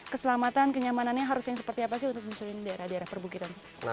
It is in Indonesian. keselamatan kenyamanannya harus yang seperti apa sih untuk menunjukkan di daerah daerah perbukitan